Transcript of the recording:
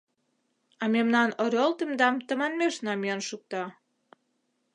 А мемнан Орел тендам тыманмеш намиен шукта.